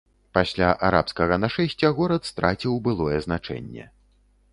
Пасля арабскага нашэсця горад страціў былое значэнне.